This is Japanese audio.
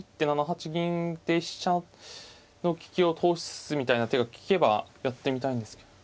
７八銀って飛車の利きを通すみたいな手が利けばやってみたいんですけど。